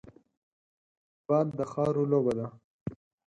باد د خاورو لوبه ده